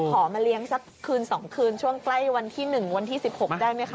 มาเลี้ยงสักคืน๒คืนช่วงใกล้วันที่๑วันที่๑๖ได้ไหมคะ